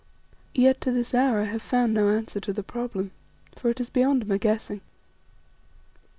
[*] Yet to this hour I have found no answer to the problem, for it is beyond my guessing.